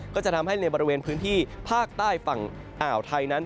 ก็จะทำให้ในบริเวณพื้นที่ภาคใต้ฝั่งอ่าวไทยนั้น